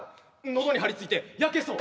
喉にはりついてやけそう。